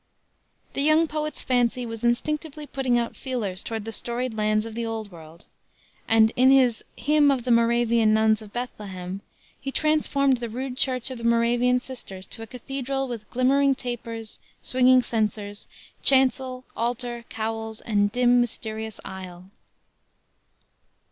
The young poet's fancy was instinctively putting out feelers toward the storied lands of the Old World, and in his Hymn of the Moravian Nuns of Bethlehem he transformed the rude church of the Moravian sisters to a cathedral with "glimmering tapers," swinging censers, chancel, altar, cowls and "dim mysterious aisle."